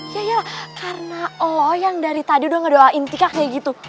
ya ya lah karena allah yang dari tadi udah ngedoain tika kayak gitu